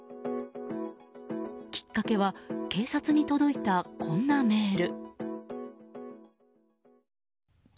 きっかけは警察に届いたこんなメール。